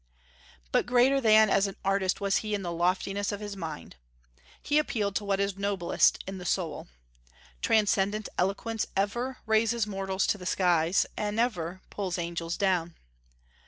But greater than as an artist was he in the loftiness of his mind. He appealed to what is noblest in the soul. Transcendent eloquence ever "raises mortals to the skies" and never "pulls angels down."